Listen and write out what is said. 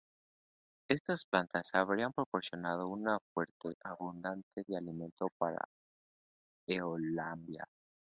Estas plantas habrían proporcionado una fuente abundante de alimento para "Eolambia".